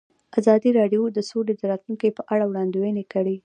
ازادي راډیو د سوله د راتلونکې په اړه وړاندوینې کړې.